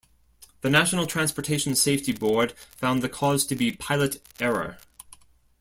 The National Transportation Safety Board found the cause to be pilot error.